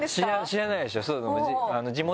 知らないでしょ？